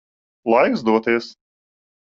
Laiks doties.